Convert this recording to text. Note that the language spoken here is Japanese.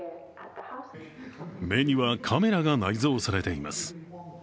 目にはカメラが内蔵されています。